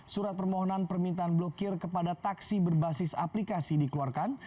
surat permohonan permintaan blokir kepada taksi berbasis aplikasi dikeluarkan